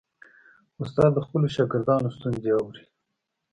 استاد د خپلو شاګردانو ستونزې اوري.